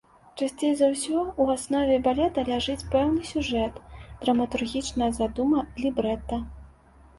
Часцей за ўсё ў аснове балета ляжыць пэўны сюжэт, драматургічная задума, лібрэта.